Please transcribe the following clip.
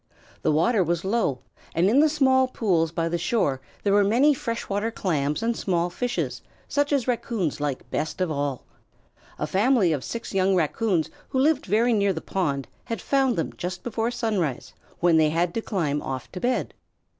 The water was low, and in the small pools by the shore there were many fresh water clams and small fishes, such as Raccoons like best of all. A family of six young Raccoons who lived very near the pond had found them just before sunrise, when they had to climb off to bed.